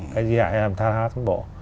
cái di hại làm tha hoá cán bộ